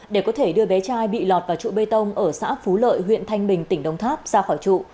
để có thể đưa bé trai bị lọt vào trụ bê tông ở xã phú lợi huyện thanh bình tỉnh đồng tháp ra khỏi trụ